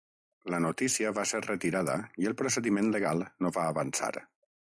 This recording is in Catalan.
La notícia va ser retirada i el procediment legal no va avançar.